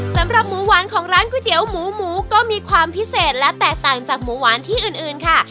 สำหรับหมูหวานของร้านก๋วยเตี๋ยวหมูหมูก็มีความพิเศษและแตกต่างจากหมูหวานที่อื่นค่ะ